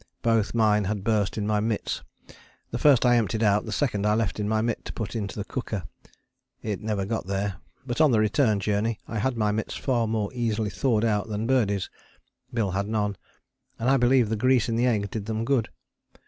Both mine had burst in my mitts: the first I emptied out, the second I left in my mitt to put into the cooker; it never got there, but on the return journey I had my mitts far more easily thawed out than Birdie's (Bill had none) and I believe the grease in the egg did them good.